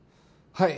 はい。